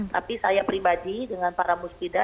tapi saya pribadi dengan para musbidah